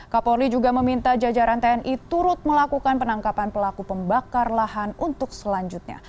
kapolri juga meminta jajaran tni turut melakukan penangkapan pelaku pembakar lahan untuk selanjutnya